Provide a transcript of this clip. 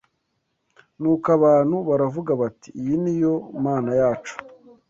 Nuko abantu baravuga bati ‘iyi ni yo Mana yacu